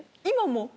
今も？